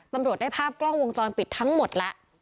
ตำรวจได้ภาพกล้องวงจรปิดทั้งหมดแล้ว